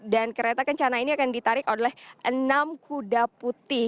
dan kereta kencana ini akan ditarik oleh enam kuda putih